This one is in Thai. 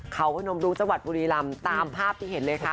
เขาพนมรุงจังหวัดบุรีรำตามภาพที่เห็นเลยค่ะ